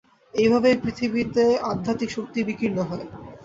এইভাবেই পৃথিবীতে আধ্যাত্মিক শক্তি বিকীর্ণ হয়।